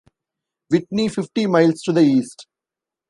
Whitney, fifty miles to the East.